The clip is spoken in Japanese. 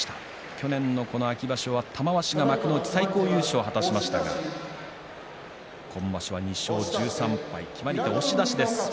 去年のこの秋場所は玉鷲が幕内最高優勝を果たしましたが今場所は２勝１３敗決まり手は押し出しです。